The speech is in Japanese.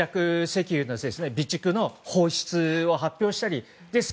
石油の備蓄の放出を発表したりしました。